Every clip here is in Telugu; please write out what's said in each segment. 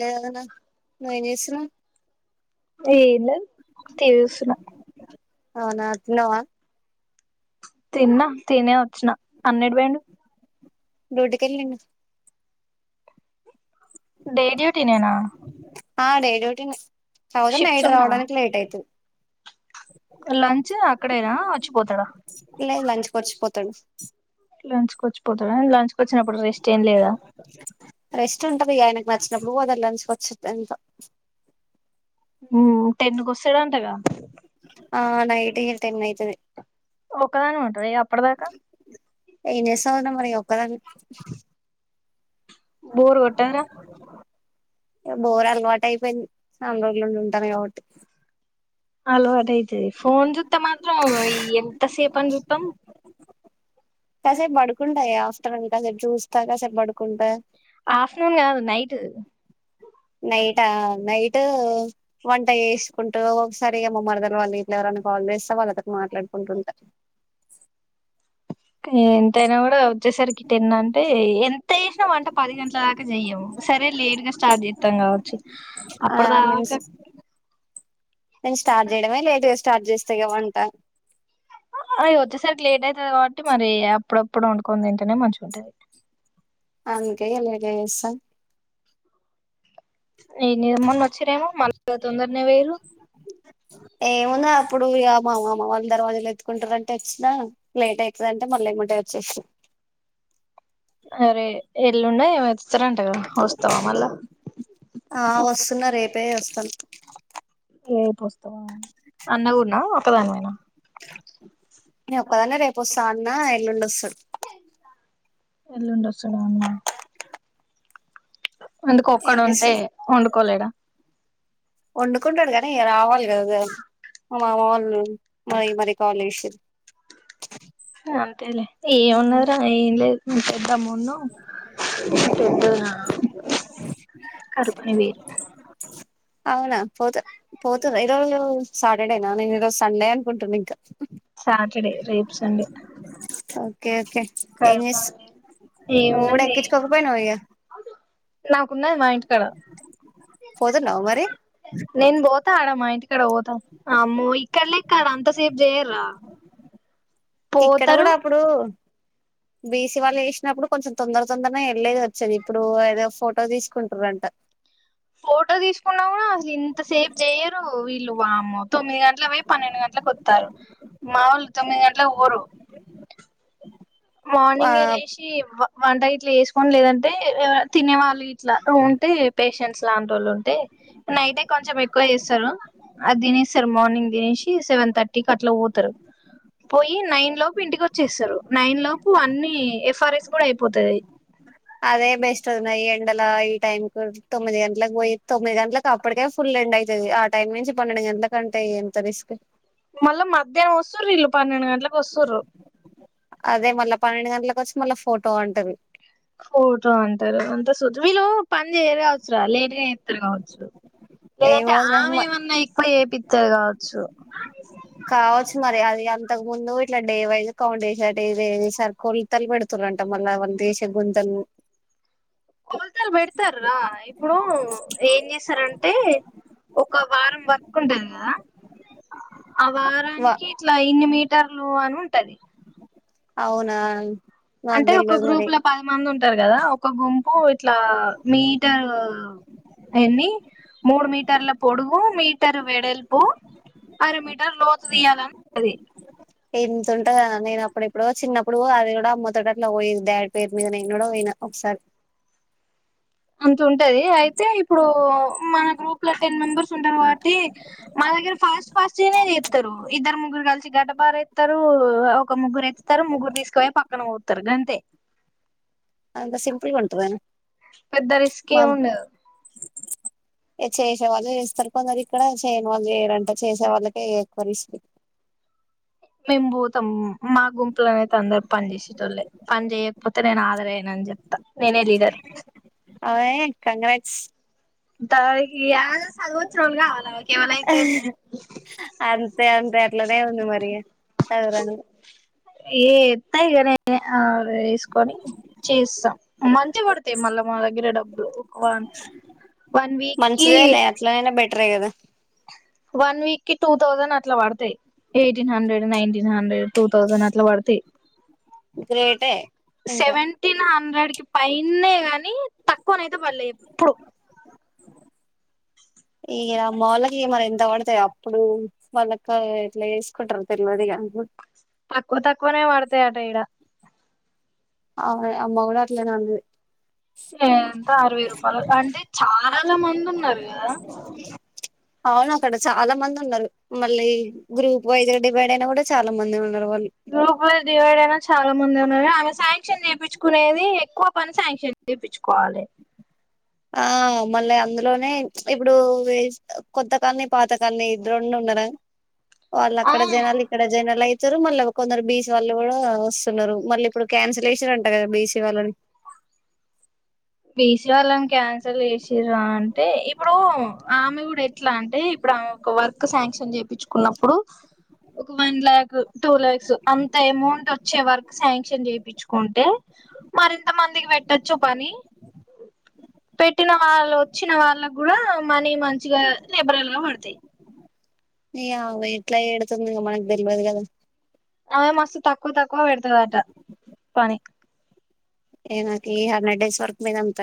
లేదనా నువ్వేం చేస్తున్నావు ఏం లేదు టి వి చూస్తున్న అవునా తిన్నవా తిన్నా తినే వచ్చిన అన్న ఎటు పోయిండు డ్యూటీ కెళ్ళిండు డే డ్యూటీ నేనా ఆ డే డ్యూటీ నే కాకపోతే నైట్ ఉండవా రావడానికి లేట్ అయితది లంచ్ అక్కడేనా వచ్చిపోతడా వత్తడు లంచ్కి వచ్చిపోతడా లంచ్ కు వచ్చినప్పుడు రెస్ట్ ఏం లేదా వచ్చినప్పుడు వద ంచికొచ్చ ఎంత హ్ టెన్నుక్ వస్తడు అంటగా ఆ నైట్ ఇగ టెన్ అయితది ఒకదానివి ఉంటవా ఇక అప్పటిదాకా ఏమ్ చేస్తావ్ వదిన మరి ఒక్కదానివి బోర్ కొట్టదర బోర్ అలవాటు అయిపోయింది చాల రోజుల నుండి ఉంటాన్న కాబట్టి అలవాటు అయితది ఫోన్ చూతే మాత్రం ఈ ఎంత సేపని చూత్తమ్ కాసేపు పడుకుంటా ఆఫ్టర్నూన్ కాసేపు చూస్తా కాసేపు పడుకుంటా ఆఫ్టర్నూన్ కాదు నైట్ నైటా నైట్ వంట చేస్కుంటు ఒకసారి ఇగ మా మరదల్ వాల్ వీలెవరన్న నే కాల్ చేస్తా వాళ్ళ తోటి మాట్లాడుకుంటుంటా ఎంతైనా కూడా వచ్చేసరికిి టెన్ అంటే ఎంత చేసిన వంట పది గంటల దాకా చెయ్యము సరే రే లేట్ గా స్టార్ట్ చేస్తాం కావచ్చు ఆ అప్పటి మీన్స్ దాకా నేను స్టార్ట్ చేయడమే లేట్గా స్టార్ట్ చేస్త ఇక వంట అవి వచ్చేసరికి లేట్ అవుతది కాబట్టి మరి అప్పుడప్పుడు వండుకొని తింటేనే మంచిగా ఉంటది అందకల గస [unintelligible] ఈమొన్న వచ్చిరేమో మళ్ళ తొందరనే పోయిర్రు ఏముంద అప్పుడు ఇ మామ వాళ్ళు దర్వాజులు ఎత్తుకుంటారుంటే వచ్చినా లేట్ అవుతుందింటే మళ్ళీ ఏమంట సేే అరే ఎల్లున్నా ఎవత్ ఆ వస్తున్న రేపే వస్తాను ఏపు వస్తావా అన్నగున్నా ఒకదానిమేనా అదన్న రేపు వస్త అన్న ఎల్లుండ వస్తు ఎలు ఉంట సడన్నా అందుకు ఏం ఒక్కడు ఉంటే చేస్తాడు వండుకోలేడా వండుకుంటాడు కనీ ఇ రావాలి కదా వాళ్ళు మరి మరి కావాల విష అంతేలే ఏమున్నార ఏం లేదుే పెద్దాం మన్న ద్ద కరుపని వేరు అవునా పోత పోతుంది ఈరోజు సాటర్డేనా నేను ఈరోజు సండే అనుకుంటును ఇంకా సాటర్డే రేపు సండే ఓకే ఓకే క ఏం చేస్తు నువ్వు ఏన్నా కూడా ఎక్కించుకోకపోయినావు ఇగ నా ఉన్నది మా ఇంటికాడ పోతున్నావా మరి నేను బ ాడమ్మా ఇంటికడ పోతా అమ్మో ఇక్కడలే ఎక్కడ అంత సేపు చేయరు్రా ఇక్కడ కూడా అప్పుడు బీసీ వాళ్ళుేసినప్పుడు కొంచెం తొందర తొందరనే వెళ్ళలేదు వచ్చది ఇప్పుడు ఏదో ఫోటో తీసుకుంటుారంట ఫోటో తీసుకున్నావు కూడా అసలు ఇంత సేవ్ చెయ్యరు వీళ్ళు వాము తొమ్మిది గంటల పో పన్నెండు గంటలకు వస్తారు మాములు తొమ్మిది గంటల ఊరు ఆ మార్నింగ్ ఏ లేసి వంట ఇట్లా వేసుకోని లేదంటే తినే వాళ్ళు ఇట్లా ఉంటే పేషెంట్స్ లాంటిోళ్ళు ఉంటే నైటే కొంచెం ఎక్కువ చేస్తారు అది తినేస్తారు మార్నింగ్ తినసి సెవెన్ థర్టీకి అట్లా పో పోయి నైన్ లోపు ఇంటికి వచ్చేస్తారు నైన్ లో ఫరేస్ కూడా అయిపోతుది అదే బెస్ట్ అన్నా ఈ ఎండల ఈ టైం కు తొమ్మిది గంటలకు పోయి తొమ్మిది గంటలలకు అప్పటికే ఫుల్ ఎండ అవుతుంది ఆ టైమ్ నుంచి పన్నెండు గంటల కంటే ఎంత రిస్క్ మళ్ళా మధ్యాహ్నం వస్తు్ర ఇల్లు పన్నెండు గంటలలకు వస్తు్ర అదే మళ్ళా పన్నెండు గంటలలకు వచ్చి మళ్ళా ఫోటో అంటది ఫోటో అంటారు అంత సూ వీళ్ళు పని చేయ్యరు కావచ్చురా లేట్గా చేస్తారు కావచ్చు ఏమో లేదంటే ఆమె వదిన ఏమన్నా ఎక్కువ ఏపిస్తారు కావచ్చు కావచ్చు మరి అది అంతకు ముందు ఇట్లా ఏ వైజ్ కౌండ్ చేసటట్ ఇదిసారి కొలతలు పెడుతున్న అంట మళ్ీ వళ దేశ గ గుంజల్ కొలతలు పెడతార రా ఇప్పుడు ఏం చేస్తారంట అతే ఒక వారం వరకు ఉంటంది కదా ఆ వా వారానికి ఇట్లా ఇన్ని మీటర్లు అని ఉంటది అవునా నాకు అంటే ఒక తెల్వదు మరి గ్రూప్ లో పది మంది ఉంటారు కదా ఒక గుంపు ఇట్లా మీటరు ఎన్ని మూడు మీటర్ల పొడుగు మీ ఆరా మీటర్ వెడలుపు అర మీటర్ లోతు తీయాలనిది ఎంతంట కదా నేను అప్పుడ ఎప్పుడుో చిన్నప్పుడు అది కూడా అమ్మతోో అట్లా పో డాడ్ పే మీద నేను కూడా పోయి ఒకసారి అంత ఉంటది అయితే ఇప్పుడు మన గ్రూప్ లో టెన్ మెంబర్స్ ఉంటాారు వాటి మ ఫాస్ట్ ఫాస్ట్నేది ఇతరుారు ఇద్దరు ముగ్గురు కలిసి గడ్డ బార ఎస్తారు ఒక ముగ్గురు ఎతారు ముగ్గురు తీసుకుపోి పక్కన పోతారు గంతే అంతా సింపుల్ గా ఉంటదా పెద్ద రిస్క్ ఏం ఉండదు చేసే వాళ్ళు చేస్తారు కొందరు ఇక్కడ చేయని వాళ్ళు చేయరంట చేసే వాళ్ళకే ఎక్కువ రిస్క్ మేము పోతాం మా గుంపులోనేయితే అందరు పని చేసేటోళ్లే పని చేయకపోతే నేను హాజరు అయ్యానని చెప్పా త నేనే లీడర్ అవే కంగ్రాట్స్ దానికియా అంతే అంతే అట్లానే ఉంది మరి ఎవరన్ ఏ ఎత్తా ఇగ నేను ఆ వేసుకొని చేస్తాం మంచి పడతాయి మ మల్ల మా దగ్గర డబ్బలు మంచిదే లే అట్లనేైనా బెటరే కదా వన్ వీక్ కి టూ థౌజండ్ అట్లా పడతాయి eighteen hundred nineteen hundred two thousand అట్లా పడతాయి గ్రేటే ఇంకా సెవెన్ టీన్ హండ్రెడ్ పైన గాని తక్కువనయితే పడలే ఎప్పుడు ఇగ అమ్మ వాళ్ళకి ఇగ మరి ఎంత పడతాయో అప్పుడు వాళ్ళకి ఎట్లా వేసుకుంటారు తెలువదు ఇగ [inaudible] ఓ తక్కువనే పడుతాయి ఆట ఇడ అవు అమ్మ గూడ అట్లానే అన్నది ఎంత అరవై రూపాయలు అంటే చాలా మంది ఉన్నారు కదా అవును అక్కడ చాలా మంది ఉన్నారు మళ్ళీ గ్రూప్ వైజ్ డివైడ్ అయినా కూడా చాలా మంది ఉ గ్రూపులుగా డివైడ్ అయినచాలా మంది ఉన్నా ఆ సాయే సాంక్షన్ చేపిచ్చుకునేది ఎక్కువ పని సాంక్షన్ చేయిపించుకోవాలి ఆ మళ్ళీ అందులోనే ఇప్పుడు వే కొత్త కాలనీ పాత కాలనీ ఇది రెండు ఉండరా వాళ్ళ అక్కడ ఆ జనాలు ఇక్కడ జనాలు అయి మళ్ళీ కొందరు బీసి వాళ్ళు కూడా వస్తున్నారు మళ్ళీ ఇప్పుడు క్యాన్సిలేషన్ అంట కదా బి సి వాళ్ళది బీసి వాళ్ళని క్యాన్సల్ చేసిరా అంటేబే ఈ ఇప్పుడు ఆమె కూడా ఎట్లా అంటే ఇప్పుడు ఆమె ఒక వర్క్ శాంక్షన్ చేయించుకున్నప్పుడు ఒక వన్ ల్యాక్ టూ లాయాక్స్ అంత ఏమౌంట్ వ వచ్చే వరకు శాంక్షన్ చేపిచ్చుకుంటే మరింత మందికి పెట్టచ్చు పని [inaudible] పెట్టిన వాళ్ళు వచ్చిన వాళ్ళకి కూడా మనీ మంచిగా లేబరల్ గా పడతాయి నీ అవ్వ ఎట్లా పెడుతుందో ఇగ మనకు తెల్వదు కదా ఆమె మస్తు తక్కువ తక్కువ పెడుతదట పని ఏ నాకు ఈ హండ్రెడ్ డేస్ వర్క్ మీ అంత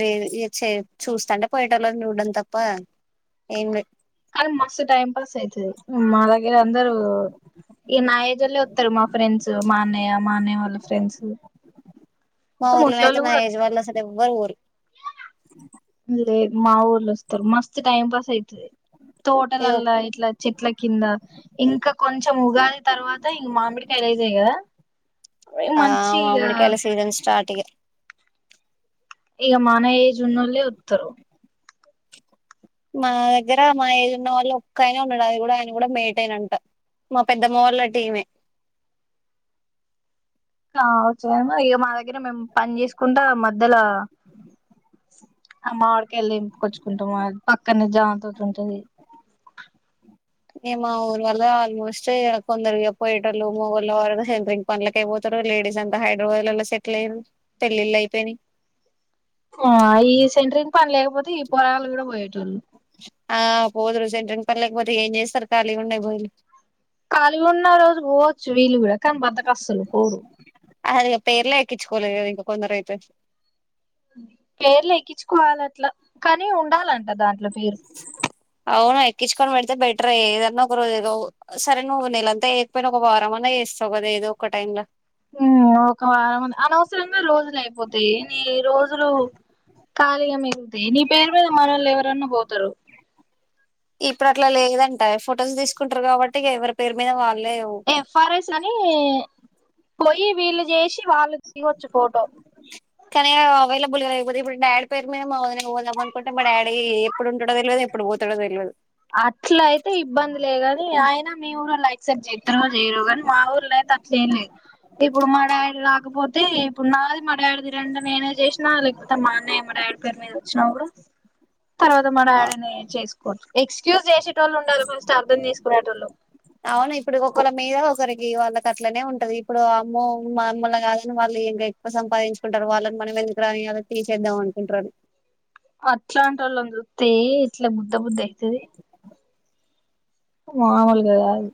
లేదు ఎ చే చూస్తాంటే పోయేటోళ్లను చూడం తప్ప ఏం లేదు. కానీ మస్తు టైం పాస్ అయితది మా దగ్గర అందరు ఇగ నా ఏజ్ ఒళ్లే వస్తారు మా ఫ్రెండ్స్ మా అన్నయ్య మా అన్నయ్య వాళ్ళ ఫ్రెండ్స్ మా ఊర్లోన అయితే ముసలోళ్ళు నా కూడా ఏజ్ వాళ్లు అసలు ఎవ్వరు పోరు లే మా ఊర్లు వస్తారు మస్తు టైం పాస్ అయితది ఇగ తోటలల్లా ఇట్లా చెట్ల కింద ఇంకా కొంచెం ఉగాది తర్వాత త ఈ మామిడికాయలు అయితే కదా ఆ మంచి ఈగ మామిడికాయల [unintelligible] ఇగ మన ఏజి ఉన్నోళ్లే వత్తరు మా దగ్గర మా ఏజ్ ఉన్న వాళ్ళు ఒక్క అయనే ఉన్నాడు అది కూడా ఆయన కూడా మేటే నంట మా పెద్దమ్మ వాళ్ల టీమే కావచ్చేమో ఇగ మా దగ్గర మేం పన్ చేసుకుంటా. మధ్యల ఆ మాడికళ్ళింపుకొచ్చుకుంటాము. అద్ పక్కనే జామ్ తోతుంటది. నిమ ఊరు వల్ ఆల్మోస్టె కొందరిగ పోయేటోళ్లు, మోగోళ వరకు సెంట్రింగ్ పన్లాకే పోతర్ రూ. లేడీస్ అంతా హైద్రాబాద్ లల్ల సెట్లయిరు. పెళ్ళిళ్ళ అయిపోయినాయ్. కోవా ఈ సెంట్రింగ్ పని లేకపోతే. ఈ పోరాగాళ్ళు గూడా పోయేటోళ్ళు. ఆ పోదురుు సెంట్రింగ్ పని లేకపోతే ఏం చేస్తారు. ఖాళీగా ఉండే బోయిలు కాలీగున్న రోజు పోవచ్చు. వీళ్లు కూడా కానీ బద్దకస్స్లు పోరు. క్కిచుకోలే ఇంక కొందరు అయితే. పేర్లు ఎక్కించుకోవాలి అట్లా. కానీ ఉండాలంట దాంట్ల పేరు. క్కిచ్చుకొని పెడితే బెటర్ ఏదన్నా, ఒక రోజు ఏదో సరే నువ్వు నేళ్లంతాయకపోయినా, ఒక వారం అన్నా చేస్తావు గాదె. ఏదో ఒక టైం లో ఉమ్ ఒక వారంమంద్ అనవసరంగా రోజులు అయిపోతాయే. నీ రోజులు ఖాళీగా మిగుల్తాయ్. నీ పేరు మీద మన్నోలెవరన్నా పోతారు. ఇప్పుడట్లా లేదంటా. ఫొటోస్ తీసుకుంటారు కాబట్టి, ఎవరి పేరు మీద వాల్ ఎఫ్. ఆర్. ఎస్ అని కోయి వీళ్ళు చేసి. వాళ్ళు దిగొచ్చు ఫోటో కానీ అవైలబుల్గా లేకపోతే. ఇప్పుడు డాడీ పేరు మీద మా వద్నా పోదాం అనుకుంటే, మా డాడీ ఎప్పుడు ఉంటాడో తెల్వదు, ఏప్ ప్పుడు పోతడో తెల్వదు. అట్ల అయితే ఇబ్బందిలే గాని, అయిన మీ ఊరోలైక్సైప్ చెత్ర చెయ్యరో గానీ మా ఊర్ల తప్సెంలేదు. ఇప్పుడు మా డాడి రాకపోతే, ఇప్పుడు నాది మా డాడిది రెండ్ నేనే చేష్నా లేకపోతే, మా అన్నయ్య, మా డాడీ పేరు మీద వచ్చినా గూడా. తర్వాత మా డాడీనే చేసుకోచ్చు. ఎక్స్క్యూజ్ చేసేటోళ్ళు ఉండాల ఫస్ట్. అర్థం చేసుకునెటోళ్ళు. అవును ఇప్పుడు ఒకళ మీద ఒక్ కరికి వాళ్ళకి అట్లనే ఉంటది. ఇప్పుడు అమ్మో మామ్ములా గాదని వాళ్ళు, ఇంకా ఎక్కువ సంపాదించుకుంటారు. వాళ్ళని మనమెందుకు రానియ్యాలా తీసేద్దాం అనుకుంట్రలు. అట్లాంటోళ్ళన్ చూతే ఏట్ల గుద్ద బుద్ధ అయితది. మాముల్గా గాదు.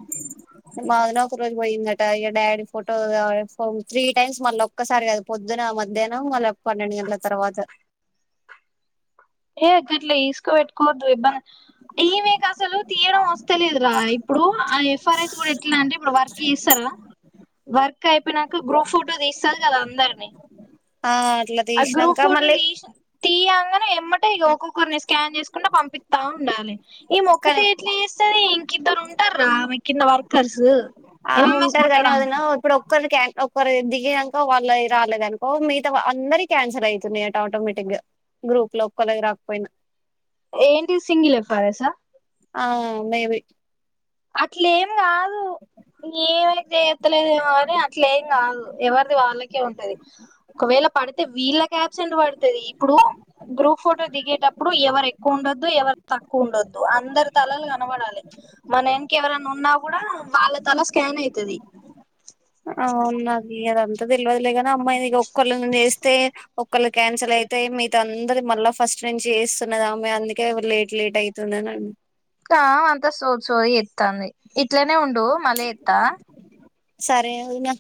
మా వదిన ఒక రోజు పోయిందట. ఇగ డాడీ ఫోటో కావల్ త్రీ టైమ్స్ మళ్ళీ ఒక్కసారి కాదు. పొద్దున్న మధ్యాహ్నం, మళ్ళ పన్నెండు గంట్ల తర్వాత. హేగాట్లా ఎస్ పెట్టుకోవద్దు. ఇబ్బంద్ ఈమేకసలు తీయడం వస్త లేదురా. ఇప్పుడు ఆ ఎఫ్. ఆర్. ఎస్ ఇప్పుడు ఎట్లా అంటే. ఇప్పుడు వర్క్ చేస్తార్ గా. వర్క్ అయిపోయినంకా. గ్రూప్ ఫోటో తీస్తది గాదా అందర్నీ. ఆ అట్లా ఆ తీసినాక గ్రూఫుటో మళ్ళీ తీస్ తీయ్యాంగానే ఎమ్మట్ టే ఒక్కొక్కర్ని స్కాన్ చేసుకుంట పంపిత్త ఉండాలి. కానీ ఈమోక్కతే ఎట్లా చేస్తది. ఇం కిద్దరు ఉంటార్ రా. ఆమె కింద వర్కర్సు ఆ ఉంటారు గానీ వదినా. ఉప్పుడు ఒక్కల్కే ఒక్కరే దిగినంక వాళ్ళయి రాలేదనుకో, మిగతావ అందరి క్యాన్సిల్ అయితున్నాయిట, ఆటోమేటిక్ గా. గ్రూప్ లో ఒక్కలాయి రాకపోయినా. ఏంటి సింగిల్ ఎఫ్. ఆర్. ఎస్స ఆవ్ మేబి అట్లేం గాదు. ఏమైతే ఏత్తలేదేమో గాని అట్లే ఏం గాదు. ఎవర్ది వాళ్ళకే ఉంటది. ఒకవేళ పడితే వీళ్ళకి అబ్సెంట్ పడుతది. ఇప్పుడు గ్రూప్ ఫోటో దిగేటప్పుడు ఎవరు ఎక్కువ్ వుండదు, ఎవర్ తక్కువ ఉండద్దు. అందరి తలల్ కాన్ నబడాలే. మనెంక్ ఎవరైనా ఉన్నా కూడా వాళ్ళ తల స్కాన్ అయితది. అవున్నది అదంతా తెల్వదులేగాని. అమ్మాయిని ఇగ ఒక్కోళ్ళగాన్ చేస్తే. ఓ ఒకక్కళ్ళ క్యాన్సిల్ అయితే. మీగ్త అందర మళ్ళా ఫస్ట్ నుంచి చేస్తున్నగామై. అందుకే ఎవర్ లేట్ లేట్ అయితుందనన్ అన్ కా అంతా సో సోది చేత్తాంది ఇట్లనే ఉండు మళ్ళీ ఎత్తా సరే వొదినా